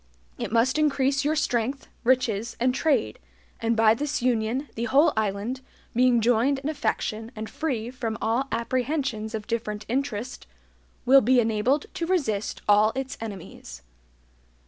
It must increase your strength, riches, and trade; and by this union the whole island, being joined in affection and free from all apprehensions of different interest, will be ENABLED TO RESIST ALL ITS ENEMIES."